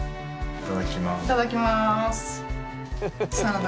いただきます。